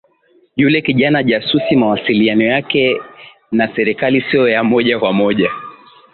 Yule kijana jasusi mawasiliano yake na serikali sio ya moja kwa moja